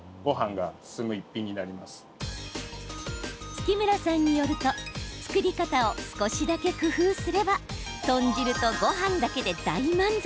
月村さんによると作り方を少しだけ工夫すれば豚汁とごはんだけで大満足。